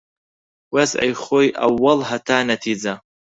وەزعی خۆی ئەووەڵ، هەتا نەتیجە